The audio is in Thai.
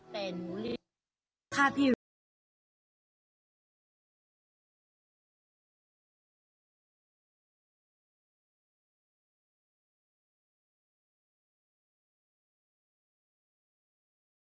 แล้วเป็นใครอยากไม่เพราะสิ่งที่บอก